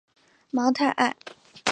芒泰埃。